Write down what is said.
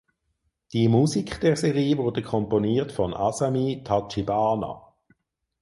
Die Musik der Serie wurde komponiert von Asami Tachibana.